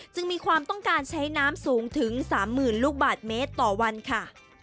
มีความต้องการใช้น้ำสูงถึง๓๐๐๐ลูกบาทเมตรต่อวันค่ะ